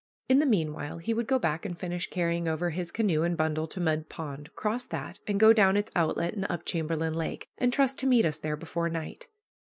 In the meanwhile he would go back and finish carrying over his canoe and bundle to Mud Pond, cross that, and go down its outlet and up Chamberlain Lake, and trust to meet us there before night.